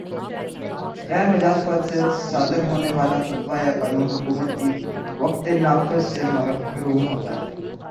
غیر مجاز فرد سے صادر ہونے والا فتویٰ یا قانون حکومت کی قوتِ نافذہ سے محروم ہوتا ہے